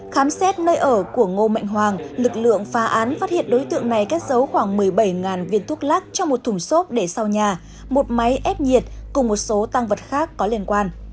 khám xét nơi ở của ngô mạnh hoàng lực lượng phá án phát hiện đối tượng này cất giấu khoảng một mươi bảy viên thuốc lắc trong một thùng xốp để sau nhà một máy ép nhiệt cùng một số tăng vật khác có liên quan